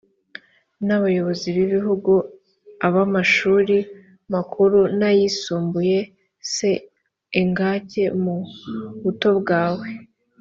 n abayobozi b igihugu ab amashuri makuru n ayisumbuye s engage mu buto bwawe